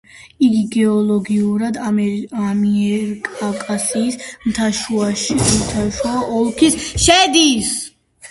იგი გეოლოგიურად ამიერკავკასიის მთათაშუა ოლქში შედის.